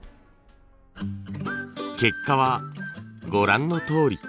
結果はご覧のとおり。